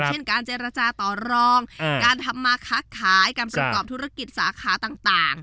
เช่นการเจรจาต่อรองการทำมาค้าขายการประกอบธุรกิจสาขาต่าง